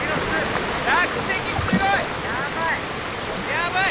やばい！